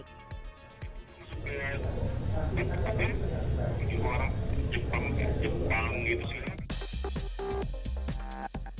tapi ini orang jepang gitu sih